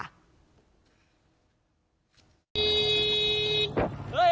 เฮ้ย